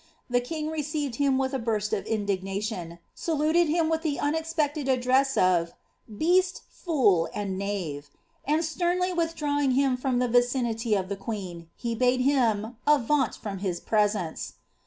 The king received him with a buret of indignation, saluted him with the unexpected address of >* Beast, fool, and knave," and, sternly withdrawing him from the vicinity of the queen, he bade him "avaunt from his presence."